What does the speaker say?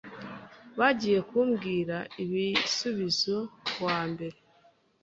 Bagiye kumbwira ibisubizo kuwa mbere.